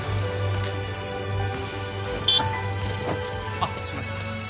あっすいません。